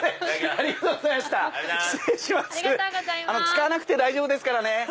あの使わなくて大丈夫ですから。